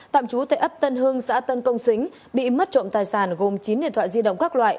tạm trú tại ấp tân hưng xã tân công xính bị mất trộm tài sản gồm chín điện thoại di động các loại